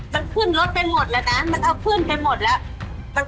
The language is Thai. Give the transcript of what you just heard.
มันขึ้นรถไปหมดแล้วนะมันเอาเพื่อนไปหมดแล้ว